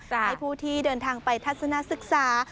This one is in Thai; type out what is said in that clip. ให้ผู้ที่เดินทางไปทัศนศึกษา